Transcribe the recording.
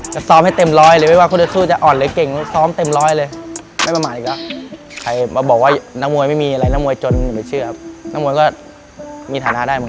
จะซ้อมให้เต็มร้อยเลยไม่ว่าคุณสู่จะอ่อนหรือเก่ง